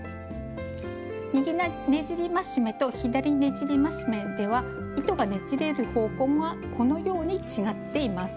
「右ねじり増し目」と「左ねじり増し目」では糸がねじれる方向がこのように違っています。